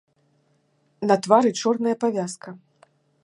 На твары чорная павязка.